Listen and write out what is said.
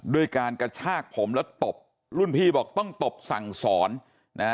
ด้วยการกระชากผมแล้วตบรุ่นพี่บอกต้องตบสั่งสอนนะฮะ